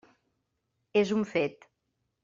És un fet.